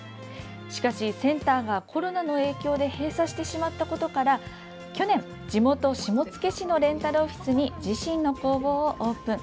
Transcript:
しかし、センターがコロナの影響で閉鎖してしまったことから去年、地元・下野市のレンタルオフィスに自身の工房をオープン。